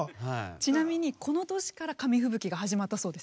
ちなみにこの年から紙吹雪が始まったそうです。